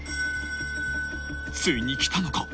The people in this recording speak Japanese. ［ついにきたのか］